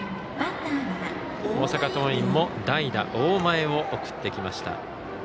大阪桐蔭も代打、大前を送ってきました。